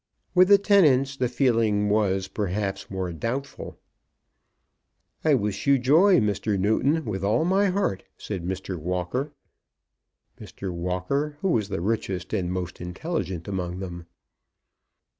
With the tenants the feeling was perhaps more doubtful. "I wish you joy, Mr. Newton, with all my heart," said Mr. Walker, who was the richest and the most intelligent among them.